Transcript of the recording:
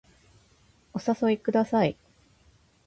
お誘いください